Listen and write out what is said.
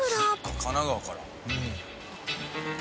神奈川から。